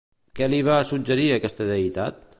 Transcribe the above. Què li va suggerir aquesta deïtat?